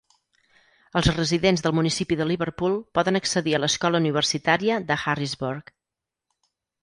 Els residents del municipi de Liverpool poden accedir a l'Escola Universitària de Harrisburg.